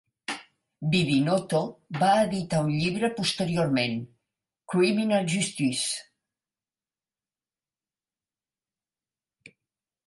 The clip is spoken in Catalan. Bidinotto va editar un llibre posteriorment, "Criminal Justice?"